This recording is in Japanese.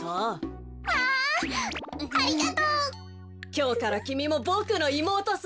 きょうからきみもボクのいもうとさ。